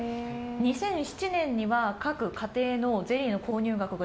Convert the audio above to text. ２００７年には各家庭のゼリーの購入額が